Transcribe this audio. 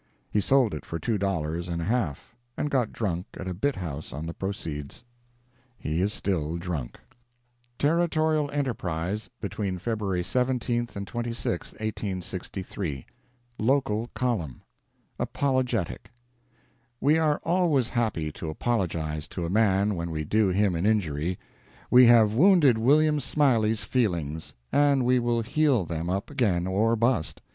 He sold it for two dollars and a half, and got drunk at a "bit house" on the proceeds. He is still drunk. Territorial Enterprise, between February 17 26, 1863 LOCAL COLUMN APOLOGETIC.—We are always happy to apologize to a man when we do him an injury. We have wounded William Smiley's feelings, and we will heal them up again or bust.